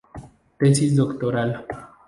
Tesis Doctoral.